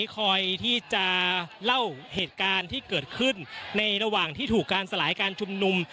คอยที่จะเล่าเหตุการณ์ที่เกิดขึ้นในระหว่างที่ถูกการสลายการชุมนุม